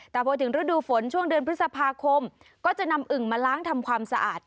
แต่พอถึงฤดูฝนช่วงเดือนพฤษภาคมก็จะนำอึ่งมาล้างทำความสะอาด